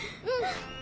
うん！